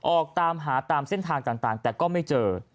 ออกตามหาตามเส้นทางต่างแต่ก็ไม่เจอ